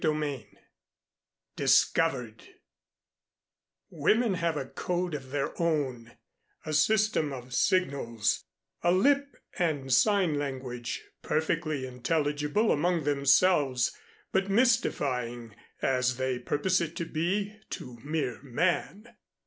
XV DISCOVERED Women have a code of their own, a system of signals, a lip and sign language perfectly intelligible among themselves, but mystifying, as they purpose it to be, to mere man.